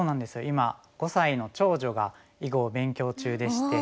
今５歳の長女が囲碁を勉強中でして。